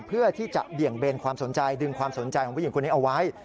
เพื่อที่จะเบี่ยงเบนความสนใจดึงความสนใจของผู้หญิงคนนี้เอาไว้